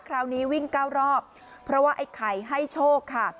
คราวนี้วิ่ง๙รอบเพราะว่าไอ้ไข่ให้โชคค่ะ